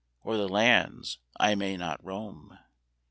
Or the lands I may not roam?